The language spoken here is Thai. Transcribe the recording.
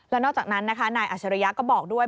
และนอกจากนั้นนายอัชริยาก็บอกด้วย